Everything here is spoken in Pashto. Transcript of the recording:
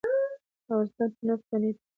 افغانستان په نفت غني دی.